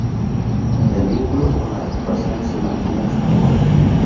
El vínculo con la Agrupación se mantiene hasta ahora.